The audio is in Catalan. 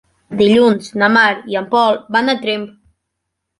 Dilluns na Mar i en Pol van a Tremp.